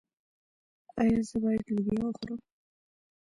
ایا زه باید لوبیا وخورم؟